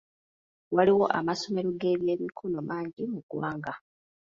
Waliwo amasomero g'ebyemikono mangi mu ggwanga.